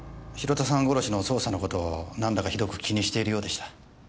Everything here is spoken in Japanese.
殺しの捜査のことをなんだかひどく気にしているようでした。